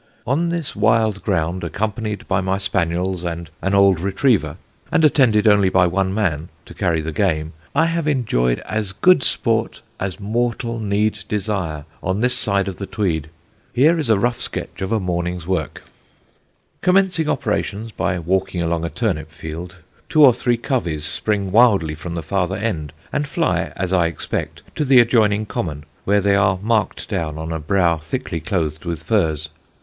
On this wild ground, accompanied by my spaniels and an old retriever, and attended only by one man, to carry the game, I have enjoyed as good sport as mortal need desire on this side of the Tweed. Here is a rough sketch of a morning's work. [Sidenote: PARTRIDGE AND WOODCOCK] "Commencing operations by walking across a turnip field, two or three coveys spring wildly from the farther end, and fly, as I expect, to the adjoining common, where they are marked down on a brow thickly clothed with furze.